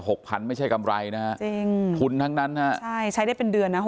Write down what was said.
หกพันไม่ใช่กำไรนะฮะจริงทุนทั้งนั้นฮะใช่ใช้ได้เป็นเดือนนะ